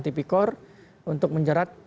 tipikor untuk menjerat